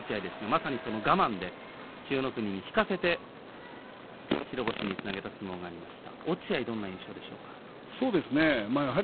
まさにその我慢で千代の国、引かせて白星につなげました。